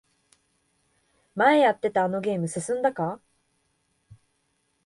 前やってたあのゲーム進んだか？